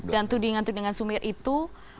dan tudingan tudingan sumir itu